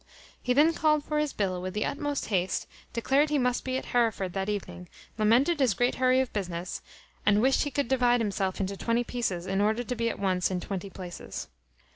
He then called for his bill with the utmost haste, declared he must be at Hereford that evening, lamented his great hurry of business, and wished he could divide himself into twenty pieces, in order to be at once in twenty places.